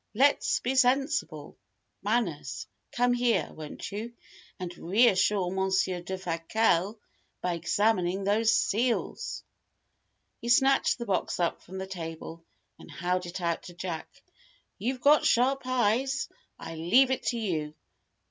Let's be sensible! Manners, come here, won't you, and reassure Monsier Defasquelle by examining these seals!" He snatched the box up from the table, and held it out to Jack. "You've got sharp eyes. I leave it to you.